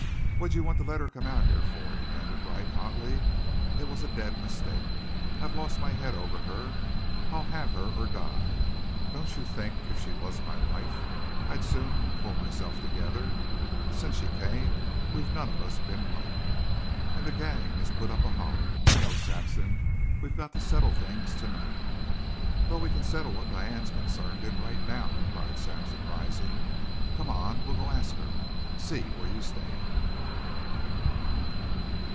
"What'd you want to let her come out here for?" demanded Wright hotly. "It was a dead mistake. I've lost my head over her. I'll have her or die. Don't you think if she was my wife I'd soon pull myself together? Since she came we've none of us been right. And the gang has put up a holler. No, Sampson, we've got to settle things to night." "Well, we can settle what Diane's concerned in right now," replied Sampson, rising. "Come on; we'll go ask her. See where you stand."